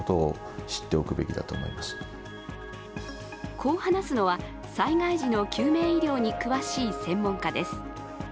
こう話すのは災害時の救命医療に詳しい専門家です。